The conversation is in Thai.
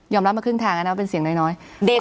รับมาครึ่งทางแล้วนะว่าเป็นเสียงน้อย